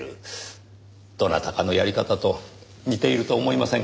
どなたかのやり方と似ていると思いませんか？